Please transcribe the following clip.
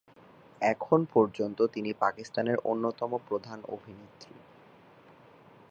এখন পর্যন্ত তিনি পাকিস্তানের অন্যতম প্রধান অভিনেত্রী।